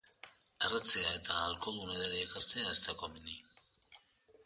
Erretzea eta alkoholdun edariak hartzea ez da komeni.